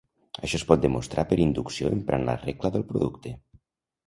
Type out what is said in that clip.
Això es pot demostrar per inducció emprant la regla del producte.